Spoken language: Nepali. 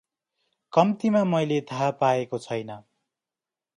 कम्तीमा मैले थाहा पाएको छैन ।